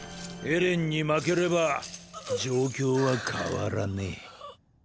エレンに負ければ状況は変わらねぇ。